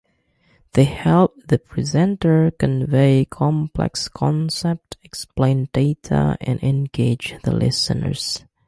They help the presenter convey complex concepts, explain data, and engage the listeners.